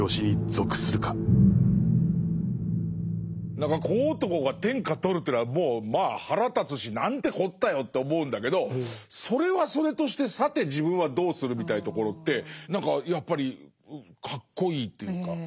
何か小男が天下取るというのはもうまあ腹立つしなんてこったよと思うんだけどそれはそれとしてさて自分はどうするみたいなところって何かやっぱりかっこいいっていうか。